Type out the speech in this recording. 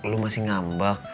lu masih ngambak